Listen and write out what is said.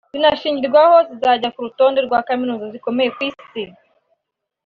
binashingirwaho zijya ku rutonde rwa Kaminuza zikomeye ku Isi